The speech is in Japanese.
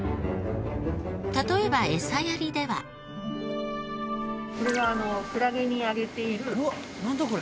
例えばこれはクラゲにあげているご飯です。